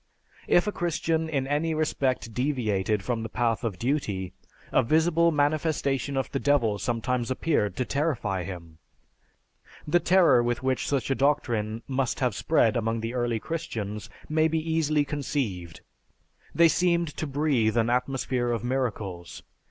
If a Christian in any respect deviated from the path of duty, a visible manifestation of the devil sometimes appeared to terrify him. The terror which such a doctrine must have spread among the early Christians may be easily conceived. They seemed to breathe an atmosphere of miracles.